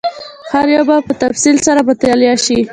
هر یو به په تفصیل سره مطالعه شي.